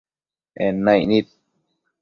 En naic nid